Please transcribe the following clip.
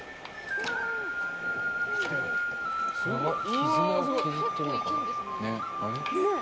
傷も削ってるのかな？